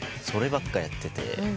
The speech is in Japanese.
そればっかやってて。